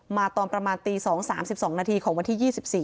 มาตอนประมาณตี๒๓๐ของวันที่๒๔